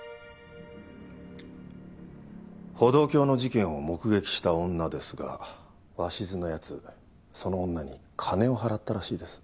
歩道橋の事件を目撃した女ですが鷲津のやつその女に金を払ったらしいです。